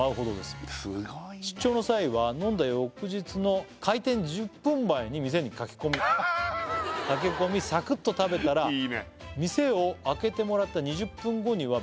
すごいね「出張の際は飲んだ翌日の開店１０分前に店に駆け込み」「サクッと食べたら」いいね「店を開けてもらった２０分後には」